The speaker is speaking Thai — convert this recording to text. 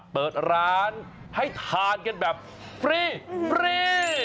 เปิดร้านให้ทานกันแบบฟรีฟรี